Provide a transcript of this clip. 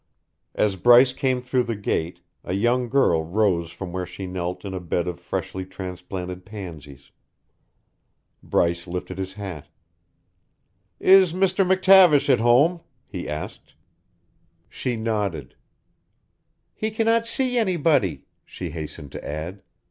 As Bryce came through the gate, a young girl rose from where she knelt in a bed of freshly transplanted pansies. Bryce lifted his hat. "Is Mr. McTavish at home?" he asked. She nodded. "He cannot see anybody," she hastened to add.